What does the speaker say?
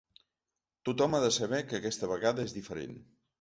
Tothom ha de saber que aquesta vegada és diferent.